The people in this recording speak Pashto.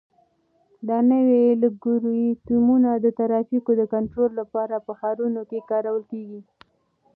دا نوي الګوریتمونه د ترافیکو د کنټرول لپاره په ښارونو کې کارول کیږي.